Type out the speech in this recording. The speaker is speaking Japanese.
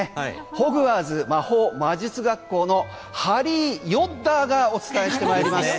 ホグワーツ魔法魔術学校のハリー・ヨッダーがお伝えして参ります。